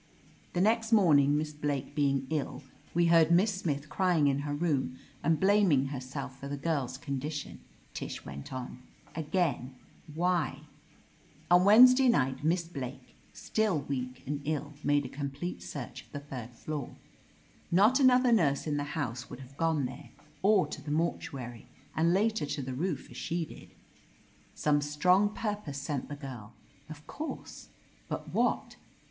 "The next morning, Miss Blake being ill, we heard Miss Smith crying in her room and blaming herself for the girl's condition," Tish went on. "Again, why ? "On Wednesday night Miss Blake, still i88 OF LETITIA CARBERRY weak and ill, made a complete search of the tliird floor. Not another nurse in the house would have gone there, or to the mortuary and later to the roof, as she did. Some strong ptupose sent the girl, of course — ^but what?